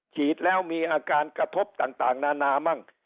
ฉีดแล้วมีอาการกระทบต่างนานามั่ง